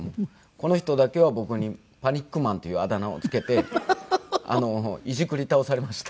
この人だけは僕にパニックマンというあだ名をつけていじくり倒されました。